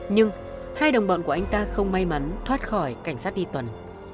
nhưng hai đồng bọn của anh ta không may mắn thoát khỏi cảnh sát đi tuần